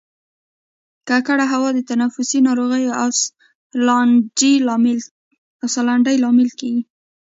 ککړه هوا د تنفسي ناروغیو او سالنډۍ لامل کیږي